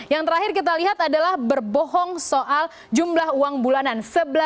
yang terakhir kita lihat adalah berbohong soal jumlah uang bulanan